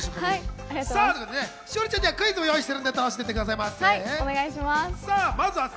栞里ちゃんにはクイズも用意してるから楽しんでってくださいませ。